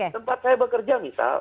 tempat saya bekerja misal